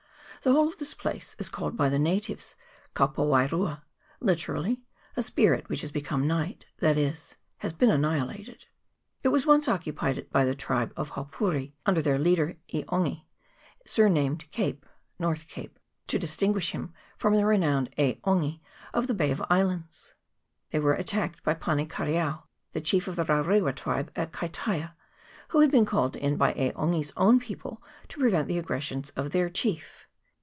The whole of this place is called by the natives Kapowairua (literally, a spirit which has become night that is, has been annihilated). It was once occupied by the tribe of the Haupouri, under their leader E' Ongi, surnamed Cape (North Cape), to distinguish him from the renowned E Ongi of the Bay of Islands ; they were attacked by Pane Kar eao, the chief of the Rarewa tribe at Kaituia, who had been called in by E' Ongi's own people to pre vent the aggressions of their chief.